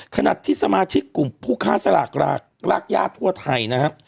ขณะที่สมาชิกกลุ่มผู้ค้าสลากรากย่าทั่วไทยนะครับ